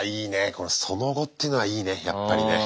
この「その後」ってのはいいねやっぱりね。